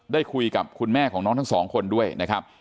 ได้คุยกับคุณแม่ของน้องทั้งสองคนด้วยนะครับ